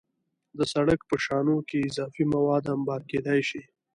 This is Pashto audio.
د سړک په شانو کې اضافي مواد انبار کېدای شي